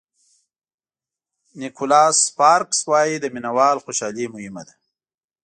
نیکولاس سپارکز وایي د مینه وال خوشالي مهمه ده.